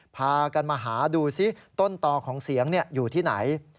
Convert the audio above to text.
พากันมาหาดูซิต้นต่อของเสียงอยู่ที่ไหน